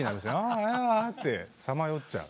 あああってさまよっちゃう。